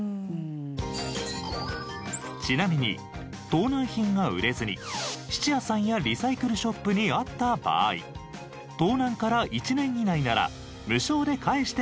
ちなみに盗難品が売れずに質屋さんやリサイクルショップにあった場合盗難から１年以内なら無償で返してもらえるそうです。